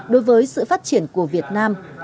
đối với sự phát triển của việt nam